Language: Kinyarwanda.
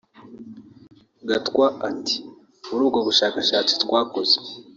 Gatwa ati “Muri ubwo bushakashatsi twakoze